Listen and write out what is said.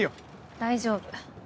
大丈夫。